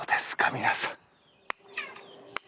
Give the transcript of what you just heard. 皆さん